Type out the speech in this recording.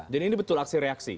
dan ini betul aksi reaksi